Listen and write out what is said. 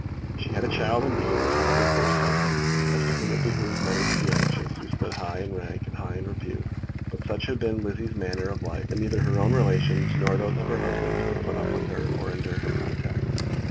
She had a child indeed, the son of her first husband, as to whom it behoved many to be anxious, who stood high in rank and high in repute; but such had been Lizzie's manner of life that neither her own relations nor those of her husband could put up with her, or endure her contact.